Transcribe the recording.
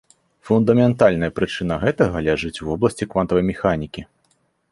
Фундаментальная прычына гэтага ляжыць у вобласці квантавай механікі.